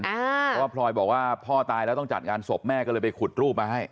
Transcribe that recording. เพราะว่าพลอยบอกว่าพ่อตายแล้วต้องจัดงานศพแม่ก็เลยไปขุดรูปมาให้